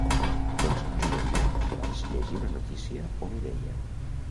Doncs juraria que vaig llegir una notícia on ho deia.